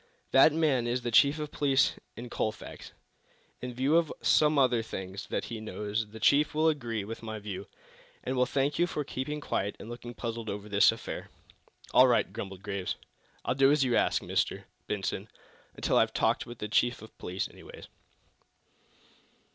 "That man is the chief of police in Colfax. In view of some other things that he knows the chief will agree with my view, and will thank you for keeping quiet and looking puzzled over this affair." "All right," grumbled Mr. Graves. "I'll do as you ask, Mr. Benson until I've talked with the chief of police, anyway."